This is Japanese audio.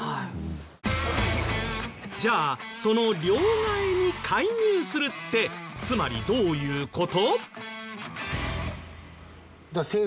じゃあその両替に介入するってつまりどういう事？